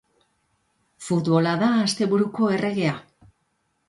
Futbola da asteburuko erregea.